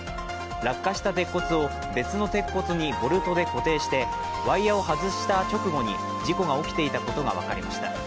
落下した鉄骨を別の鉄骨にボルトで固定してワイヤを外した直後に事故が起きていたことが分かりました。